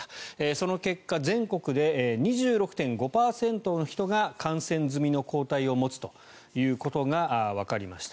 その結果全国で２６．５％の人が感染済みの抗体を持つということがわかりました。